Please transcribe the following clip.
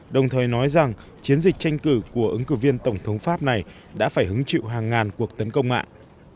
dịch tranh cử của ứng cử viên tổng thống pháp này đã phải hứng chịu hàng ngàn cuộc tấn công mạng